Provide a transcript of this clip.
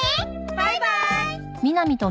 バイバーイ！